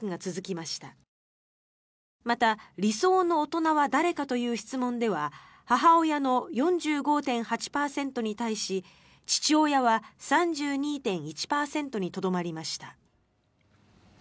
また、理想の大人は誰かという質問では母親の４５．８％に対し父親は３２．１％にとどまりました。